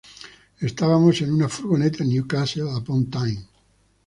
Estábamos en una furgoneta en Newcastle upon Tyne.